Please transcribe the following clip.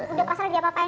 udah pasar diapapain